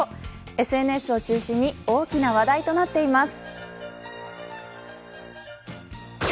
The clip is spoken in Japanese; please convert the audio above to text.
ＳＮＳを中心に大きな話題となっています。